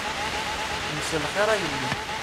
Mselxir a yelli.